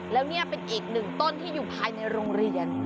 แล้วนี่เป็นอีกหนึ่งต้นที่อยู่ภายในโรงเรียน